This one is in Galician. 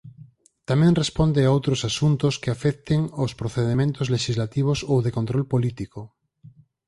Tamén responde a outros asuntos que afecten aos procedementos lexislativos ou de control político.